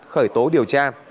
khởi tố điều tra